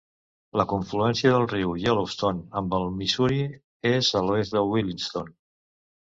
La confluència del riu Yellowstone amb el Missouri és a l'oest de Williston.